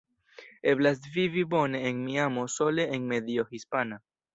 Eblas vivi bone en Miamo sole en medio hispana.